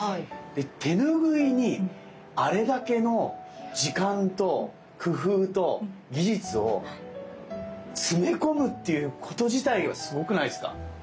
で手ぬぐいにあれだけの時間と工夫と技術を詰め込むっていうこと自体がすごくないですか？